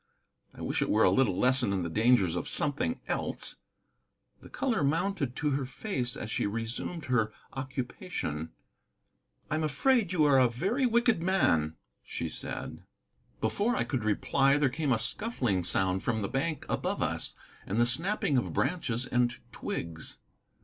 I wish it were a little lesson in the dangers of something else." The color mounted to her face as she resumed her occupation. "I am afraid you are a very wicked man," she said. Before I could reply there came a scuffling sound from the bank above us, and the snapping of branches and twigs.